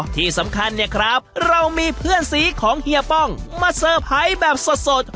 ที่สำคัญเนี่ยครับเรามีเพื่อนสีของเฮียป้องมาเซอร์ไพรส์แบบสด